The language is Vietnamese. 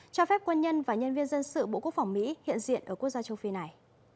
cho phép quân nhân và nhân viên dân sự bộ quốc phòng mỹ hiện diện ở quốc gia châu phi này